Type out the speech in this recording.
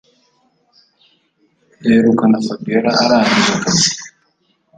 duheruka fabiora arangije akazi